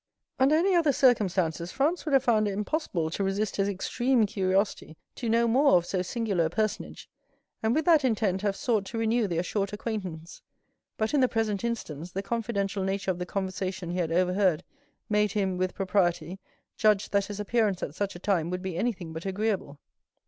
20139m Under any other circumstances, Franz would have found it impossible to resist his extreme curiosity to know more of so singular a personage, and with that intent have sought to renew their short acquaintance; but in the present instance, the confidential nature of the conversation he had overheard made him, with propriety, judge that his appearance at such a time would be anything but agreeable.